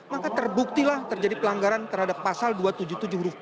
maka terbuktilah terjadi pelanggaran terhadap pasal dua ratus tujuh puluh tujuh huruf